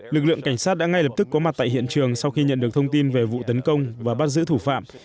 lực lượng cảnh sát đã ngay lập tức có mặt tại hiện trường sau khi nhận được thông tin về vụ tấn công và bắt giữ thủ phạm